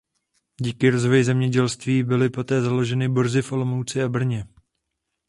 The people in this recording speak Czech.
Díky rozvoji zemědělství byly poté založeny burzy v Olomouci a Brně.